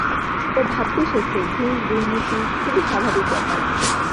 ও ভাবতে শেখে, ঘুষ দুর্নীতি খুবই স্বাভাবিক ব্যাপার।